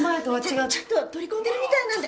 ちょっと取り込んでるみたいなんで。